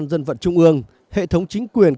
vì vậy chúng tôi đối xử